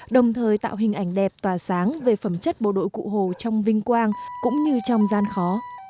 đồng thời tạo hình ảnh đẹp tỏa sáng về phẩm chất bộ đội cụ hồ trong vinh quang cũng như trong gian khó